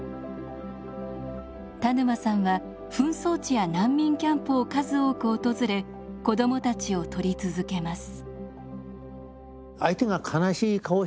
田沼さんは紛争地や難民キャンプを数多く訪れ子どもたちを撮り続けます。